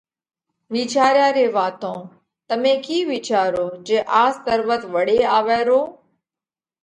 وِيچاريا ري واتون تمي ڪِي وِيچاروه جي آز تروٽ وۯي آوئہ رو